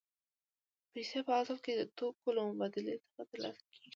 پیسې په اصل کې د توکو له مبادلې څخه ترلاسه کېږي